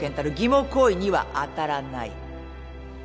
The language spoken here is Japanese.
もう行為には当たらない。